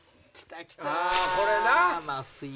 あぁこれな！